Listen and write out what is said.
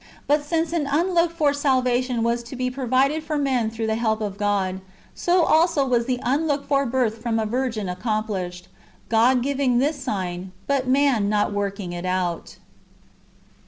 But since an unlooked for salvation was to be provided for men through the help of God, so also was the unlooked for birth from a virgin accomplished ; God giving this sign, but man not working it out.